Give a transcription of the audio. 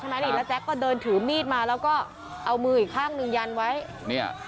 แล้วแจ็คก็เดินถือมีดมาแล้วก็เอามืออีกข้างนึงยันไว้